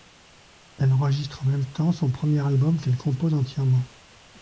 Elle enregistre en même temps son premier album qu'elle compose entièrement.